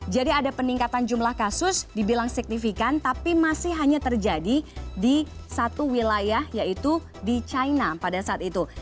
jadi ada peningkatan jumlah kasus dibilang signifikan tapi masih hanya terjadi di satu wilayah yaitu di china pada saat itu